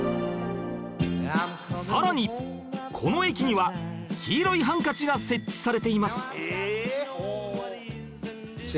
さらにこの駅には黄色いハンカチが設置されています